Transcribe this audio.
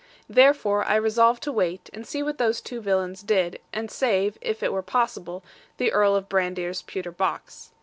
Therefore I resolved to wait, and see what those two villains did, and save (if it were possible) the Earl of Brandir's pewter box.